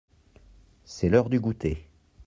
C’est l’heure du goûter.